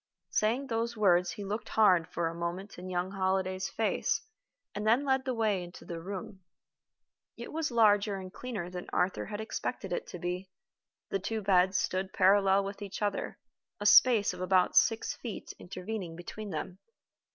Saying those words, he looked hard, for a moment, in young Holliday's face, and then led the way into the room. It was larger and cleaner than Arthur had expected it would be. The two beds stood parallel with each other, a space of about six feet intervening between them.